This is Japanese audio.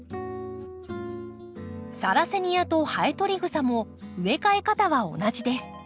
サラセニアとハエトリグサも植え替え方は同じです。